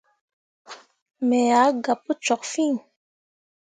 Me ah gah pu cok fîi.